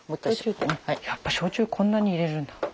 やっぱ焼酎こんなに入れるんだ。